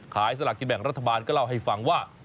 ขายสลากินแบ่งกระทบาลก็เล่าให้ฟังว่า